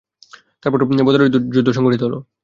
তারপর বদরের যুদ্ধ সংঘটিত হল।